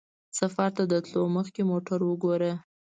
سفر ته د تلو مخکې موټر وګوره.